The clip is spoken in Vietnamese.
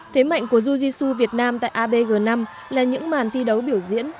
thấy mạnh của jiu jitsu việt nam tại abg năm là những màn thi đấu biểu diễn